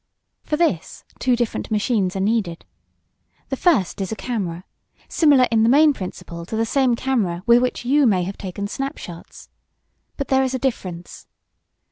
For this two different machines are needed. The first is a camera, similar in the main principle to the same camera with which you may have taken snapshots. But there is a difference.